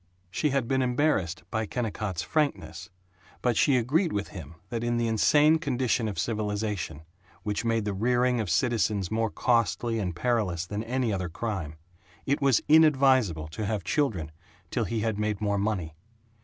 She had been embarrassed by Kennicott's frankness, but she agreed with him that in the insane condition of civilization, which made the rearing of citizens more costly and perilous than any other crime, it was inadvisable to have children till he had made more money.